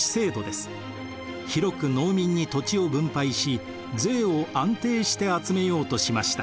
広く農民に土地を分配し税を安定して集めようとしました。